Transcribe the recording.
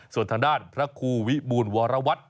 ส่วนทางด้านพระครูวิบูรณวรวัตร